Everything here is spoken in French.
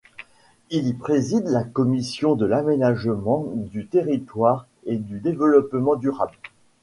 Il y préside la commission de l'Aménagement du territoire et du développement durable.